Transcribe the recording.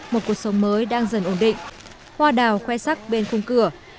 một cuộc sống mới đang dần ổn định hoa đào khoe sắc bên khung cửa